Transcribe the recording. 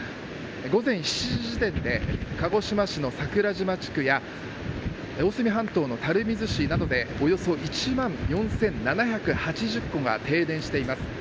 午前７時時点で鹿児島市の桜島地区や大隅半島の垂水市などでおよそ１万４７８０戸が停電しています。